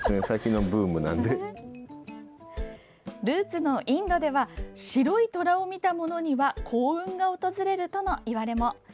ルーツのインドでは白いトラを見たものには幸運が訪れるとのいわれも。